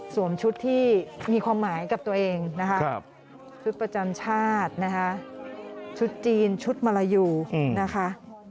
ชุดที่มีความหมายกับตัวเองนะคะชุดประจำชาตินะคะชุดจีนชุดมาลายูนะคะ